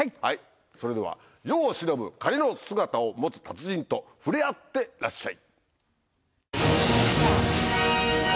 それでは世を忍ぶ仮の姿を持つ達人と触れ合ってらっしゃい。